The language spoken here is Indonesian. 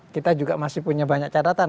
kita juga masih punya banyak catatan